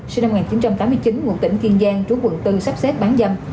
sinh năm một nghìn chín trăm tám mươi chín ngụ tỉnh kiên giang trú quận bốn sắp xếp bán dâm